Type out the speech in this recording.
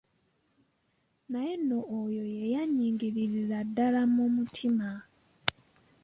Naye nno oyo ye yannyingirira ddala mu mutima.